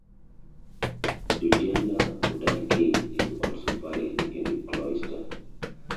Georgiana Goddard King is also buried in the cloister.